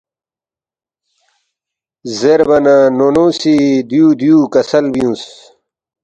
زیربا نہ نونو سی دیُو دیُو کسل بیُونگس